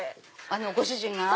ご主人が。